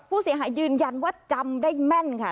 ผู้เสียหายยืนยันว่าจำได้แม่นค่ะ